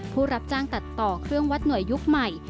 ผู้รับจ้างตัดต่อเครื่องวัดหน่วยยุคใหม่